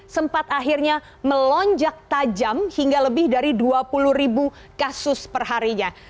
sempat akhirnya melonjak tajam hingga lebih dari dua puluh ribu kasus perharinya